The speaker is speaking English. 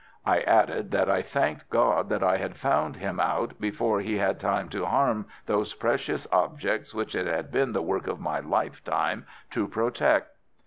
I added that I thanked God that I had found him out before he had time to harm those precious objects which it had been the work of my lifetime to protect.